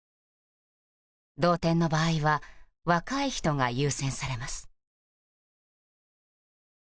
同点の場合は若い人が優先されます。